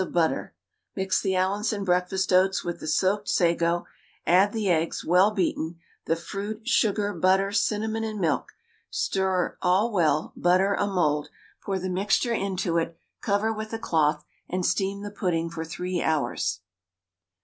of butter. Mix the Allinson breakfast oats with the soaked sago, add the eggs, well beaten, the fruit, sugar, butter, cinnamon, and milk; stir all well, butter a mould, pour the mixture into it, cover with a cloth, and steam the pudding for 3 hours.